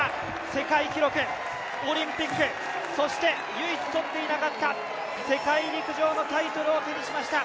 世界記録、オリンピック、そして唯一取っていなかった世界陸上のタイトルを手にしました。